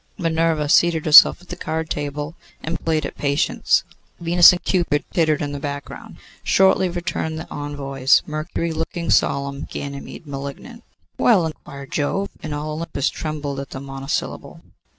Minerva seated herself at the card table and played at Patience. Venus and Cupid tittered in the background. Shortly returned the envoys, Mercury looking solemn, Ganymede malignant. 'Well?' inquired Jove; and all Olympus trembled at the monosyllable.